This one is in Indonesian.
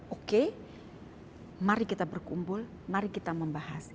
oke mari kita berkumpul mari kita membahas